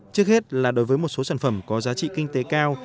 trước hết là đối với một số sản phẩm có giá trị kinh tế cao